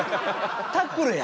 タックルや。